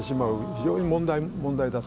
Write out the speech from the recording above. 非常に問題だと。